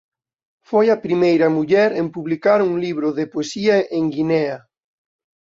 Foi a primeira muller en publicar un libro de poesía en Guinea.